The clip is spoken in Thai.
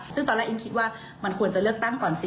ซึ่งตอนแรกอิงคิดว่ามันควรจะเลือกตั้งก่อนสิ